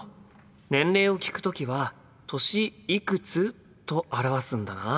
年齢を聞く時は「歳いくつ？」と表すんだな。